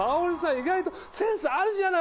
意外とセンスあるじゃない！